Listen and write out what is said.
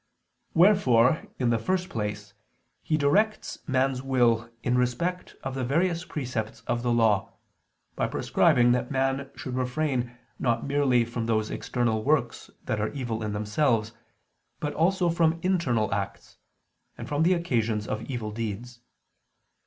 Wherefore, in the first place, He directs man's will in respect of the various precepts of the Law: by prescribing that man should refrain not merely from those external works that are evil in themselves, but also from internal acts, and from the occasions of evil deeds.